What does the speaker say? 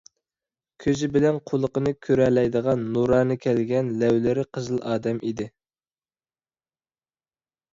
كۆزى بىلەن قۇلىقىنى كۆرەلەيدىغان، نۇرانە كەلگەن، لەۋلىرى قىزىل ئادەم ئىدى.